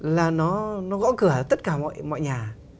là nó gõ cửa tất cả mọi nhà